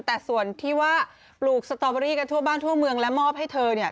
แต่ส่วนที่ว่าปลูกสตอเบอรี่กันทั่วบ้านทั่วเมืองและมอบให้เธอเนี่ย